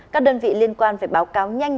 các đơn vị liên quan phải báo cáo nhanh